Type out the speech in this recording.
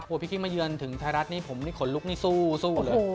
พวกพี่กิ๊กมาเยือนถึงไทยรัฐผมขนลูกนี่สู้เลย